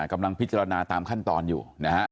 กำลังพิจารณาตามขั้นตอนอยู่นะฮะ